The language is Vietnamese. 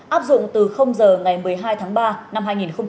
áp dụng từ giờ ngày một mươi hai tháng ba năm hai nghìn hai mươi